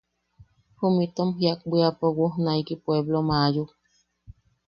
Jum itom jiak bwiapo woojnaiki pueplom aayuk.